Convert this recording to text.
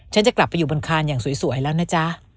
ฉันจะกลับไปอยู่บนคานอย่างสวยแล้วนะจ๊ะ